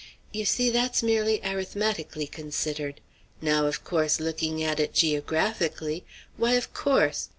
"You see, that's merely arithmetically considered. Now, of course, looking at it geographically why, of course!